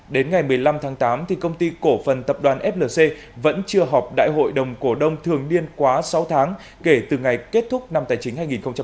đến ngày một mươi năm tháng tám công ty cổ phần tập đoàn flc vẫn chưa họp đại hội đồng cổ đông thường niên quá sáu tháng kể từ ngày kết thúc năm tài chính hai nghìn một mươi chín